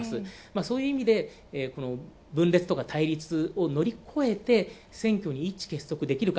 そういう意味で、分裂とか対立を乗り越えて選挙で一致結束できるか。